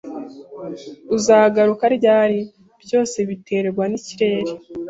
"Uzagaruka ryari?" "Byose biterwa n'ikirere."